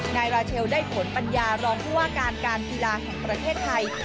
นายราเชลได้ผลปัญญารองผู้ว่าการการกีฬาแห่งประเทศไทย